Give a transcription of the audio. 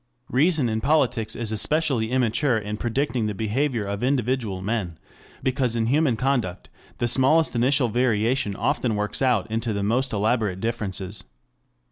Reason in politics is especially immature in predicting the behavior of individual men, because in human conduct the smallest initial variation often works out into the most elaborate differences.